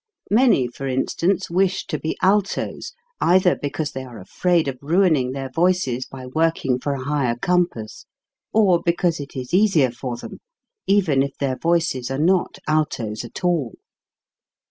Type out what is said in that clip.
Many, for instance, wish to be altos, either because they are afraid DEVELOPMENT AND EQUALIZATION 153 of ruining their voices by working for a higher compass, or because it is easier for them, even if their voices are not altos at all.